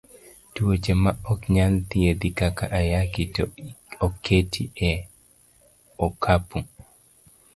Tuoche ma ok nyal thiedhi kaka ayaki to oketi e okapu.